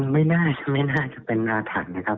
ไม่น่าจะเป็นอาถันนะครับ